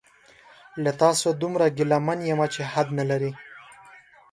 له تاسو دومره ګیله من یمه چې حد نلري